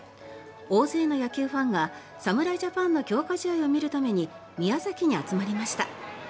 大勢の野球ファンが侍ジャパンの強化試合を見るために宮崎に集まりました。